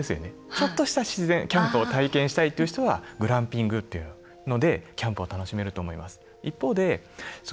ちょっとした自然キャンプを体験したいという人はグランピングというのでキャンプを楽しめると思います。